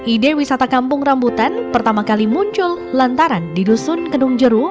ide wisata kampung rambutan pertama kali muncul lantaran di dusun kedung jeru